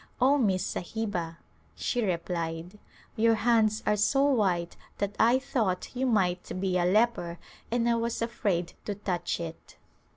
" Oh, Miss Sahiba," she replied, " your hands are so white that I thought you might be a leper and I was afraid to touch it."